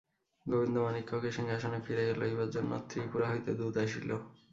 গোবিন্দমাণিক্যকে সিংহাসনে ফিরাইয়া লইবার জন্য ত্রিপুরা হইতে দূত আসিল।